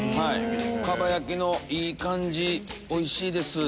蒲焼きのいい感じおいしいですぅ。